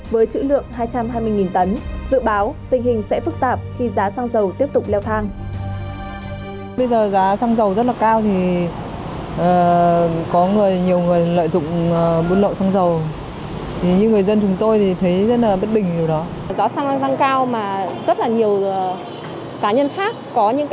với chữ lượng hai trăm hai mươi tấn dự báo tình hình sẽ phức tạp khi giá xăng dầu tiếp tục leo thang